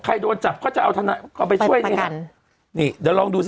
ใครโดนจับก็จะเอาไปช่วยนี่เดี๋ยวลองดูซิ